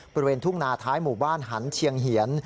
บริเวณทุ่งนาท้ายหมู่บ้านหันเชียงเหียน